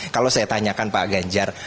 kalau saya tanyakan pak ganjar